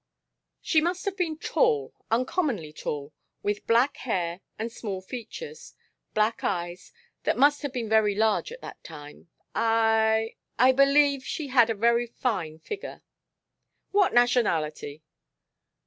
"She must have been tall uncommonly tall with black hair and small features; black eyes that must have been large at that time. I I believe she had a very fine figure." "What nationality?"